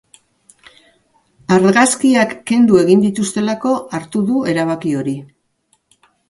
Argazkiak kendu egin dituztelako hartu du erabaki hori.